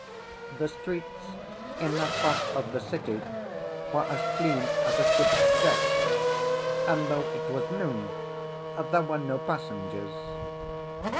The streets in that part of the city were as clean as a ship's decks, and though it was noon, there were no passengers.